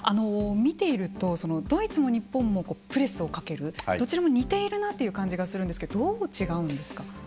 見ているとドイツも日本もプレスをかけるどちらも似ているなという感じがするんですけれどもどう違うんですか。